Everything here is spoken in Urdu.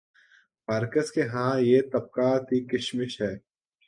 مارکس کے ہاں یہ طبقاتی کشمکش ہے۔